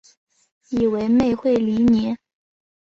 以为妹会理你